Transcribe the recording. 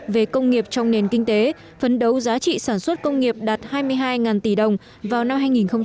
về công nghiệp trong nền kinh tế phấn đấu giá trị sản xuất công nghiệp đạt hai mươi hai tỷ đồng vào năm hai nghìn ba mươi